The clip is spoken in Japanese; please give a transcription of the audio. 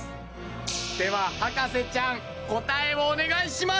では博士ちゃん答えをお願いします。